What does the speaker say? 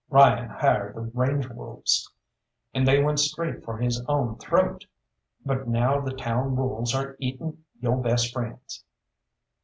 Ryan hired the range wolves, and they went straight for his own throat, but now the town wolves are eating yo' best friends."